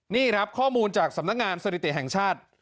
นี่ครับข้อมูลจากสำนักงานสถิติแห่งชาติ